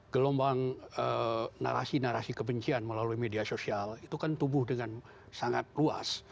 gelombang narasi narasi kebencian melalui media sosial itu kan tubuh dengan sangat luas